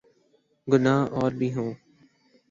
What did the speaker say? گناہ اور بھی ہوں۔